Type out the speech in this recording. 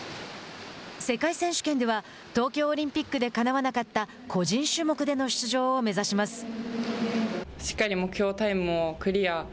世界選手権では東京オリンピックでかなわなかった個人種目での出場を目指します。